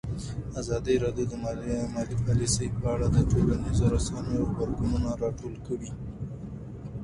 ازادي راډیو د مالي پالیسي په اړه د ټولنیزو رسنیو غبرګونونه راټول کړي.